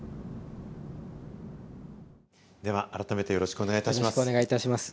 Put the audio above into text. では改めてよろしくお願いいたします。